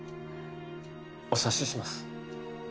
お察しします。